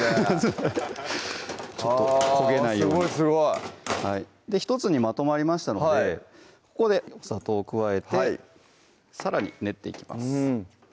フフフッちょっと焦げないようにすごいすごい１つにまとまりましたのでここでお砂糖加えてさらに練っていきます